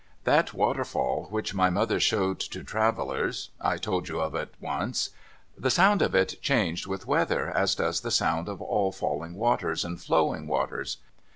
That waterfall which my mother showed to travellers (I told you of it once). The sound of it changed with the weather, as does the sound of all falling waters and flowing waters.